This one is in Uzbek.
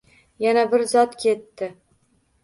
Yana bir zot ketdi